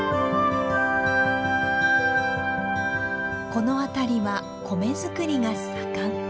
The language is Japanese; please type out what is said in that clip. この辺りは米作りが盛ん。